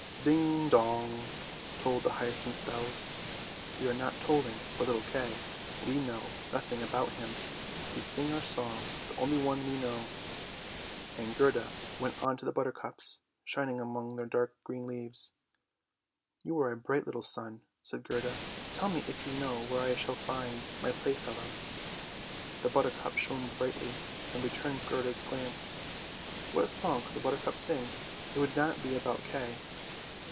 " Ding, dong," tolled the hyacinth bells; " we are not tolling for little Kay; we know nothing about him. We sing our song, the only one we know." And Gerda went on to the buttercups shining among their dark green leaves. " You are a bright little sun," said Gerda. " Tell me if you know where I shall find my playfellow." The buttercup shone brightly and returned Gerda's glance. What song could the buttercup sing? It would not be about Kay.